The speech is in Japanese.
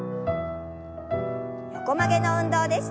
横曲げの運動です。